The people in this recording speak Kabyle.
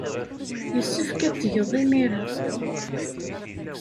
Yessefk ad t-tgeḍ imir-a.